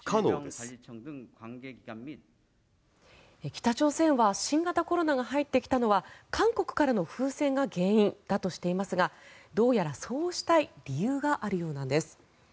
北朝鮮は新型コロナが入ってきたのは韓国からの風船が原因だとしていますがどうやらそうしたい理由があるようなんです。